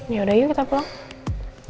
ya udah yuk kita pulang